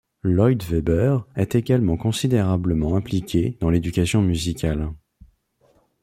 Lloyd Webber est également considérablement impliqué dans l'éducation musicale.